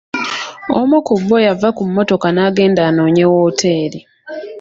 Omu ku bo yava ku mmotoka n'agenda anoonye wooteri.